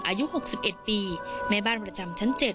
อายุ๖๑ปีแม่บ้านประจำชั้น๗